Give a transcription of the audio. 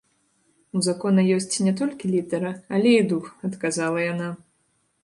У закона ёсць не толькі літара, але і дух, адказала яна.